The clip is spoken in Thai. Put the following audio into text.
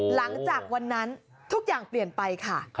หลังจากวันนั้นทุกอย่างเปลี่ยนไปค่ะ